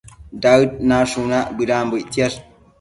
Daëd nashunac bëdanbo ictsiash